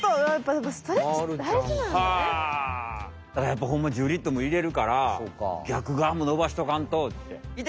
やっぱホンマに１０リットルも入れるから逆がわも伸ばしとかんとって。